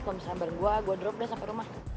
kalo misalnya bareng gua gua drop dah sampai rumah